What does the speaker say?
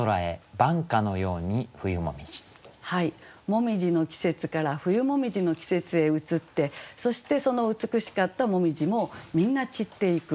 紅葉の季節から冬紅葉の季節へ移ってそしてその美しかった紅葉もみんな散っていく。